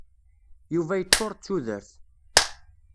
Yuba yeččuṛ d tudert.